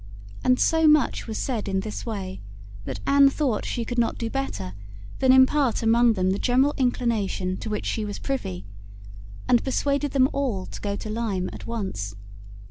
And so much was said in this way, that Anne thought she could not do better than impart among them the general inclination to which she was privy, and persuaded them all to go to Lyme at once.